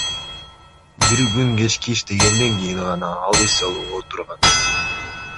Бир күн кечке иштегенден кийин гана ал эс алууга отурган.